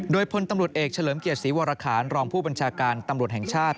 โดยพลตำรวจเอกเฉลิมเกียรติศรีวรคารรองผู้บัญชาการตำรวจแห่งชาติ